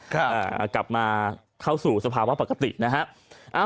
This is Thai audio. ครับอ่ากลับมาเข้าสู่สภาวะปกตินะฮะอ่า